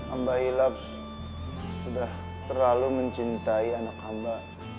amba hilaf sudah terlalu mencintai anak amba